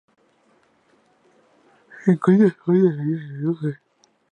Se encuentra al sur de la isla de Rügen.